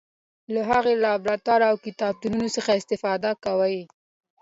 هغه له لابراتوار او کتابتون څخه استفاده کوي.